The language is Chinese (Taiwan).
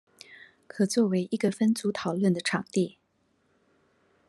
可作為一個分組討論的場地